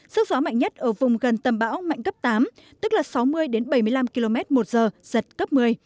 sức gió mạnh nhất ở vùng gần tâm bão mạnh cấp tám tức là sáu mươi bảy mươi năm km một giờ giật cấp một mươi